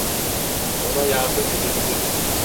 Ona yardım edebilirim.